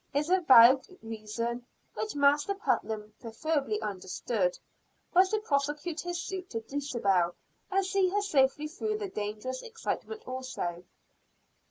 His avowed reason, which Master Putnam perfectly understood, was to prosecute his suit to Dulcibel, and see her safely through the dangerous excitement also.